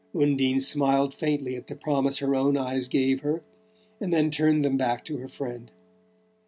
Undine smiled faintly at the promise her own eyes gave her, and then turned them back to her friend.